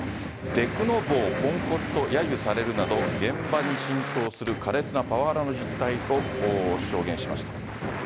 でくのぼう、ポンコツとやゆされるなど、現場に浸透するかれつなパワハラの実態を証言しました。